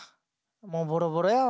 もうボロボロやわ。